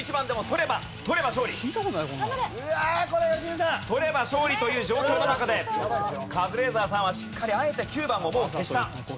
取れば勝利という状況の中でカズレーザーさんはしっかりあえて９番をもう消した。